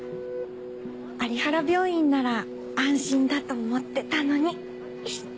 有原病院なら安心だと思ってたのに。